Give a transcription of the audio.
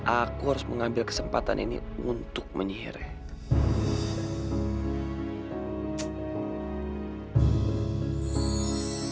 aku harus mengambil kesempatan ini untuk menyihirnya